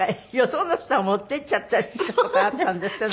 その人が持っていっちゃったりした事があったんですって？